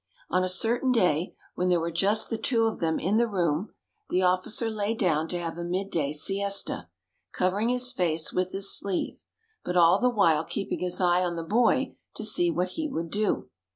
On a certain day, when there were just the two of them in the room, the officer lay down to have a midday siesta, covering his face with his sleeve, but all the while keeping his eye on the boy to see what he would do.